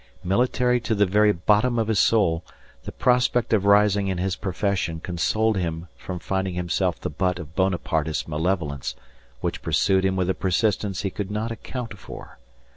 Military to the very bottom of his soul, the prospect of rising in his profession consoled him from finding himself the butt of Bonapartist malevolence which pursued him with a persistence he could not account for.